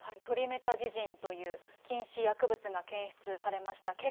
トリメタジジンという禁止薬物が検出されました。